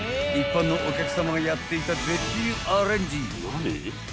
［一般のお客様がやっていた絶品アレンジ］